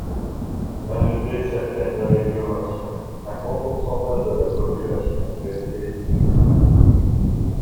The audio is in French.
Malgré certaines améliorations, un grand pourcentage de la population restait illettré.